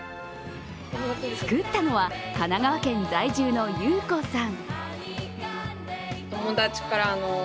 作ったのは神奈川県在住のＹＵＫＯさん。